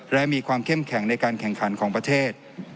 และมีความเข้มแข็งในการแข่งขันของประเทศ